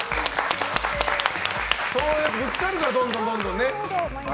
ぶつかるからね、どんどん。